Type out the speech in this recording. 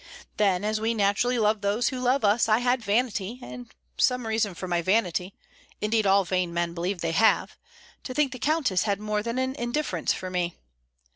Then, as we naturally love those who love us, I had vanity, and some reason for my vanity (indeed all vain men believe they have,) to think the Countess had more than an indifference for me.